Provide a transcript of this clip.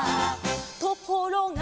「ところが」